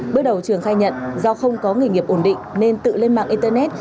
bước đầu trường khai nhận do không có nghề nghiệp ổn định nên tự lên mạng internet